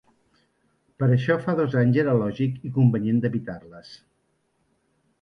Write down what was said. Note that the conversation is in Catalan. Per això, fa dos anys era lògic i convenient d’evitar-les.